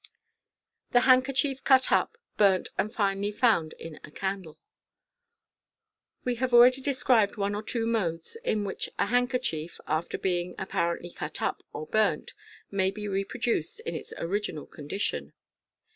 The Handkerchief cut up, burnt, and finally found in a Candle. — We have already described one or two modes in which a handkerchief, aftev being apparently cut up, or burnt, may be re produced in its original condition.